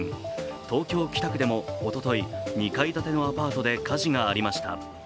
東京・北区でもおととい２階建てのアパートで火事がありました。